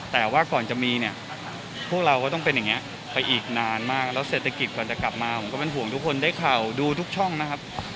แต่ว่าก่อนจะมีเนี่ยพวกเราก็ต้องเป็นอย่างนี้ไปอีกนานมากแล้วเศรษฐกิจก่อนจะกลับมาผมก็เป็นห่วงทุกคนได้ข่าวดูทุกช่องนะครับ